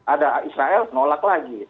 ada israel nolak lagi